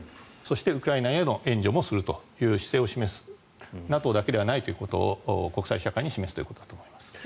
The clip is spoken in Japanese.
そしてウクライナへの援助もするという姿勢を示すＮＡＴＯだけではないということを国際社会に示すということだと思います。